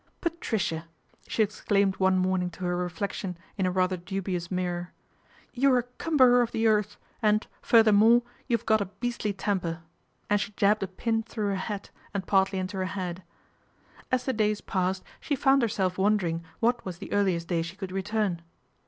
" Patricia !" she exclaimed one morning to her reflection in a rather dubious mirror. ' You're a cumberer of the earth and, furthermore, you've got a beastly temper," and she jabbed a pin through her hat and partly into her head. As the days passed she found herself wondering what was the earliest day she could return.